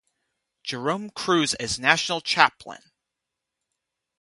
Jerome Cruz as National Chaplain.